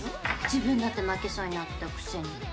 自分だって負けそうになってたくせに。